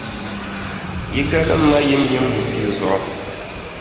Yi galim ma yimyim bupia zuɣu.